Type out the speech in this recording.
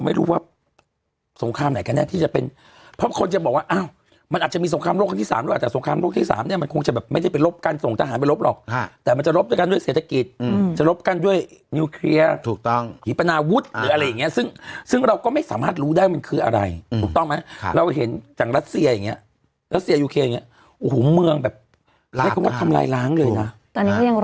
ไม่รู้ว่าสงครามไหนกันเนี่ยที่จะเป็นเพราะคนจะบอกว่าอ้าวมันอาจจะมีสงครามโรคที่๓หรือว่าแต่สงครามโรคที่๓เนี่ยมันคงจะแบบไม่ได้เป็นรบกันส่งทหารไปรบหรอกแต่มันจะรบกันด้วยเศรษฐกิจจะรบกันด้วยนิวเคลียร์ถูกต้องหิปนาวุทธ์หรืออะไรอย่างเงี้ยซึ่งซึ่งเราก็ไม่สามารถรู้ได้มันคืออะไรถูกต้